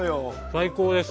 最高です。